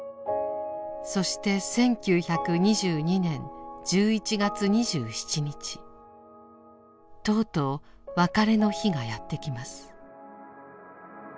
そして１９２２年１１月２７日とうとう別れの日がやってきます。